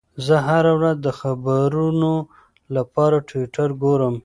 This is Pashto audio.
زه هره ورځ د خبرونو لپاره ټویټر ګورم.